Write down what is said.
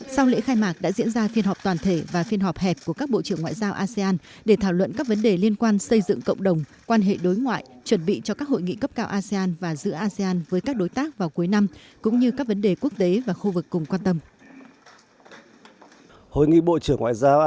sau lễ khai mạc đã diễn ra phiên họp toàn thể và phiên họp hẹp của các bộ trưởng ngoại giao asean để thảo luận các vấn đề liên quan xây dựng cộng đồng quan hệ đối ngoại chuẩn bị cho các hội nghị cấp cao asean và giữ asean với các đối tác vào cuối năm cũng như các vấn đề quốc tế và khu vực cùng quan tâm